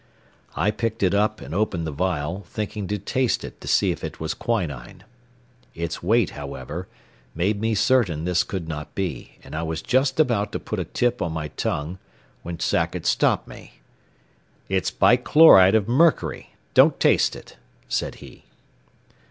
I picked it up and opened the vial, thinking to taste it to see if it was quinine. Its weight, however, made me certain this could not be, and I was just about to put a bit on my tongue when Sackett stopped me. "It's bichloride of mercury. Don't taste it," said he.